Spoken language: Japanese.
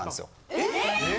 ・えっ。